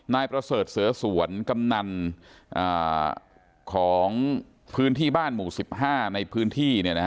นายประเสริฐเสือสวนกำนันของพื้นที่บ้านหมู่๑๕ในพื้นที่